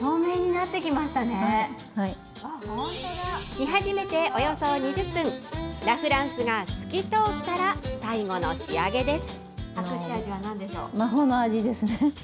煮始めておよそ２０分、ラ・フランスが透き通ったら最後の仕上げです。